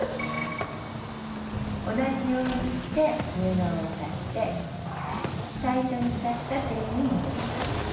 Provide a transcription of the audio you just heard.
同じようにして上側を刺して最初に刺した点に戻ります。